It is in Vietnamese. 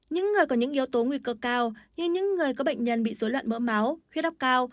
những người có những yếu tố nguy cơ cao như những người có bệnh nhân bị dối loạn mỡ máu huyết áp cao